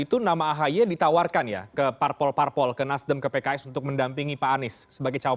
itu nama ahy ditawarkan ya ke parpol parpol ke nasdem ke pks untuk mendampingi pak anies sebagai cawapres